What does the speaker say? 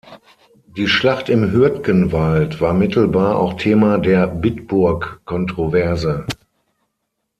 Die Schlacht im Hürtgenwald war mittelbar auch Thema der Bitburg-Kontroverse.